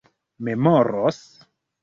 memoros